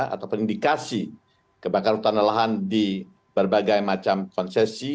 atau penindikasi kebakaran hutan dan lahan di berbagai macam konsesi